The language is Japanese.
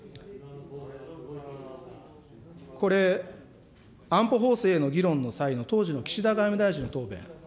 これ、安保法制の議論の際の当時の岸田外務大臣の答弁。